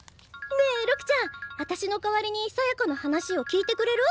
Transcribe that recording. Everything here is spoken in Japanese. ねえ六ちゃんあたしの代わりにさやかの話を聞いてくれる？